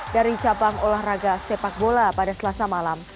dari cabang olahraga sepak bola pada selasa malam